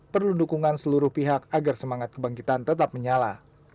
perlu dukungan seluruh pihak agar semangat kebangkitan tetap menyala